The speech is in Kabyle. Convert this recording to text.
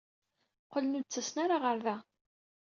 Qqlen ur d-ttasen ara ɣer da.